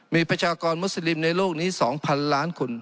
มีประชากรมุสลิมในโลกนี้๒๐๐๐ล้านคน